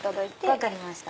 分かりました。